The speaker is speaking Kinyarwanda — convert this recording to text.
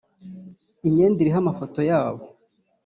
imyenda iriho amafoto yabo